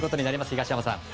東山さん。